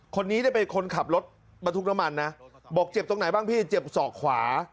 คนนี้เนี่ยเป็นคนขับรถบรรทุกน้ำมันนะบอกเจ็บตรงไหนบ้างพี่เจ็บศอกขวา